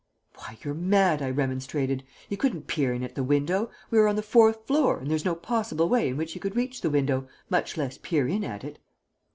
"Why, you're mad," I remonstrated. "He couldn't peer in at the window we are on the fourth floor, and there is no possible way in which he could reach the window, much less peer in at it."